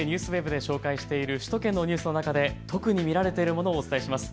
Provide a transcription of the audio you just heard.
ＮＨＫＮＥＷＳＷＥＢで紹介している首都圏のニュースの中で特に見られているものをお伝えします。